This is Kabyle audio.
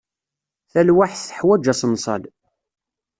Talwaḥt teḥwaǧ aṣenṣal.